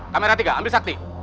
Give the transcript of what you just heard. kamera tiga ambil sakti